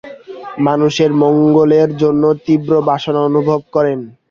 মানুষের মঙ্গলের জন্যে তীব্র বাসনা অনুভব করেন।